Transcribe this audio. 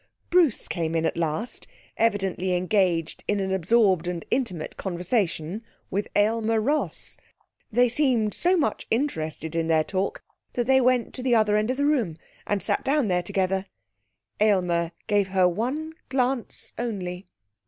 Bruce came in at last, evidently engaged in an absorbed and intimate conversation with Aylmer Ross. They seemed so much interested in their talk that they went to the other end of the room and sat down there together. Aylmer gave her one glance only.